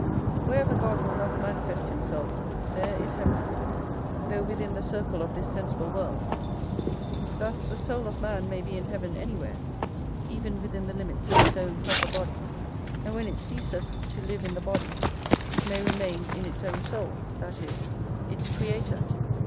Wherever God will thus manifest himself, there is heaven, though within the circle of this sensible world. Thus, the soul of man may be in heaven anywhere, even within the limits of his own proper body; and when it ceaseth to live in the body it may remain in its own soul, that is, its Creator.